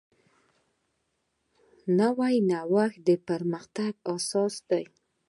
نوی نوښت د پرمختګ اساس دی